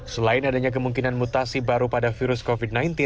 selain adanya kemungkinan mutasi baru pada virus covid sembilan belas